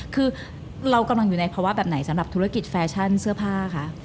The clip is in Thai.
คือเรากำลังอยู่ในภาวะแบบไหนสำหรับธุรกิจแฟชั่นเสื้อผ้าคะ